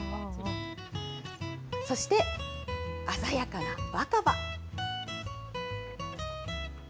そして、鮮やかな若葉。